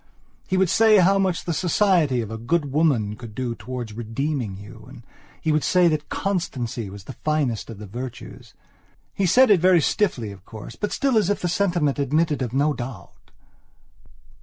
He would say how much the society of a good woman could do towards redeeming you, and he would say that constancy was the finest of the virtues. He said it very stiffly, of course, but still as if the statement admitted of no doubt.